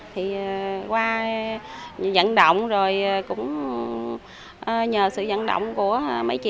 thì qua dẫn động rồi cũng nhờ sự dẫn động của mấy chị